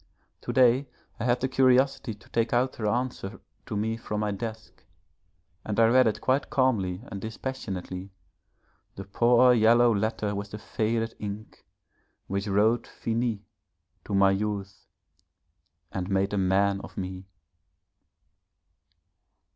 To day I had the curiosity to take out her answer to me from my desk, and I read it quite calmly and dispassionately, the poor yellow letter with the faded ink, which wrote 'Finis' to my youth and made a man of me.